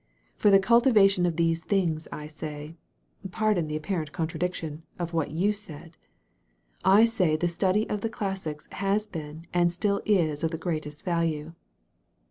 For the cultivation of these things I say — pardon the apparent contradiction of what you said — ^I say the study of the classics has been and still is of the greatest value."